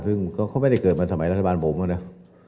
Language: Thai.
ซึ่งก็เขาไม่ได้เกิดมาสมัยรัฐบาลผมแล้วเนี่ย